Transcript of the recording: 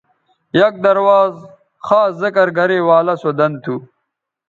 یک درواز خاص ذکر گرےوالوں سو دن تھو